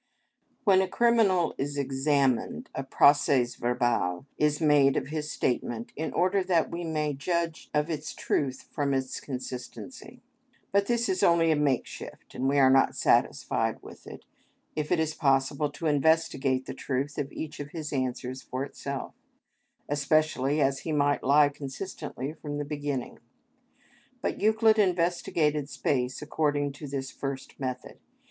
When a criminal is examined, a procès verbal is made of his statement in order that we may judge of its truth from its consistency. But this is only a makeshift, and we are not satisfied with it if it is possible to investigate the truth of each of his answers for itself; especially as he might lie consistently from the beginning. But Euclid investigated space according to this first method.